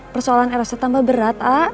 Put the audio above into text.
persoalan erasa tambah berat a